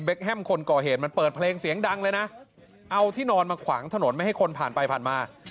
แฮมคนก่อเหตุมันเปิดเพลงเสียงดังเลยนะเอาที่นอนมาขวางถนนไม่ให้คนผ่านไปผ่านมา